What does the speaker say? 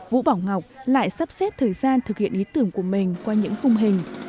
vũ bảo ngọc lại sắp xếp thời gian thực hiện ý tưởng của mình qua những khung hình